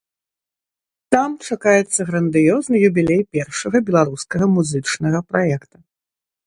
Там чакаецца грандыёзны юбілей першага беларускага музычнага праекта.